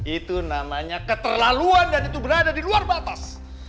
itu namanya keterlaluan dan itu berada di luar batas